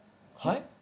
はい？